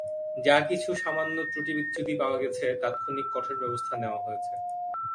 যা কিছু সামান্য ত্রুটিবিচ্যুতি পাওয়া গেছে, তাৎক্ষণিক কঠোর ব্যবস্থা নেওয়া হয়েছে।